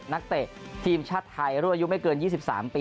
เตะทีมชาติไทยรุ่นอายุไม่เกิน๒๓ปี